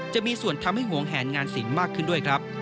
จะมีส่วนทำให้หวงแหนงานศิลป์มากขึ้นด้วยครับ